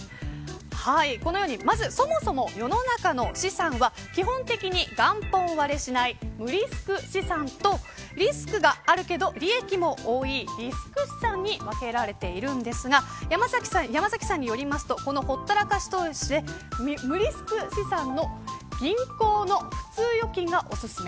そもそも、世の中の資産は基本的に元本割れしない無リスク資産とリスクがあるけど利益も多いリスク資産に分けられているんですが山崎さんによりますとこのほったらかし投資無リスク資産の銀行の普通預金がおすすめ。